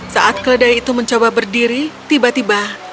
saat keledai itu mencoba berdiri tiba tiba